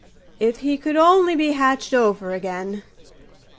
If he could only be hatched over again!